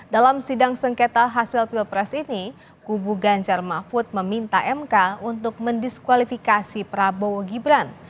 dalam sidang sengketa hasil pilpres ini kubu ganjar mahfud meminta mk untuk mendiskualifikasi prabowo gibran